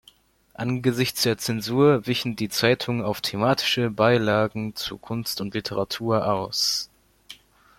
Angesichts der Zensur wichen die Zeitungen auf thematische Beilagen zu Kunst und Literatur aus.